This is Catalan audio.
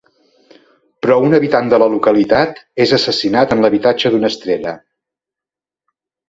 Però una habitant de la localitat és assassinat en l'habitatge d'una estrella.